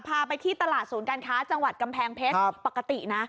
พาไปที่ตลาดศูนย์การค้าจังหวัดกำแพงเพชรปกตินะ